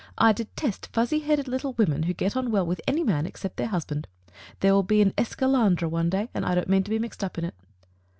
"I detest fuzzy headed little women who get on well with any man except their husband. There will be an esclandre one day, and I don't mean to be mixed up in it."